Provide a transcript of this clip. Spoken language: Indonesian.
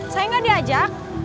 saya gak diajak